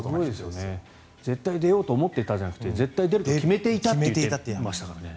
絶対出ようと思っていたじゃなくて絶対に出ると決めていたと言っていましたからね。